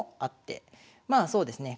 まあそうですね